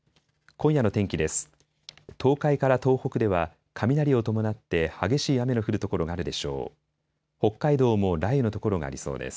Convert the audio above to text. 今夜の天気です。